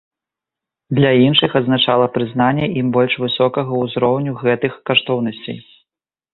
Для іншых азначала прызнанне ім больш высокага ўзроўня гэтых каштоўнасцей.